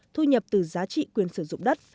thu nhập từ giá trị quyền sử dụng đất